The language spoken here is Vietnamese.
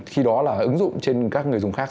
khi đó là ứng dụng trên các người dùng khác